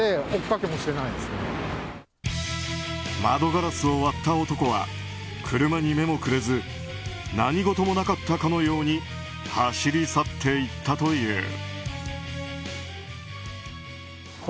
窓ガラスを割った男は車に目もくれず何事もなかったかのように走り去っていったという。